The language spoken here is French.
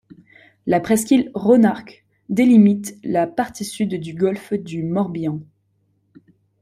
La presqu'île Ronarc'h délimite la partie sud du golfe du Morbihan.